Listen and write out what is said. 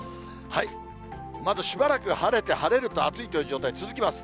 まだしばらく晴れて、晴れると暑いという状態、続きます。